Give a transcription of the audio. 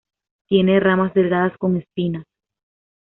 Tiene ramas delgadas con espinas.